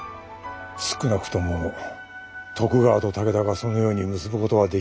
少なくとも徳川と武田がそのように結ぶことはできますまい。